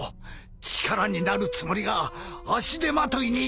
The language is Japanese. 力になるつもりが足手まといに。